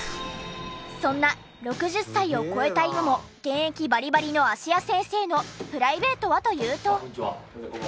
そんな６０歳を超えた今も現役バリバリの芦谷先生のプライベートはというと。